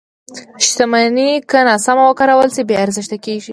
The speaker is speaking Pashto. • شتمني که ناسمه وکارول شي، بې ارزښته کېږي.